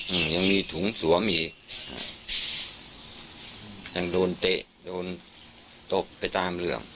อื้มยังมีถุงสวมอีกยังโดนเตะโดนตบไปตามเรื่อง